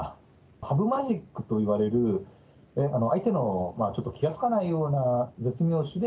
羽生マジックといわれる、相手がちょっと気が付かないような、絶妙手で、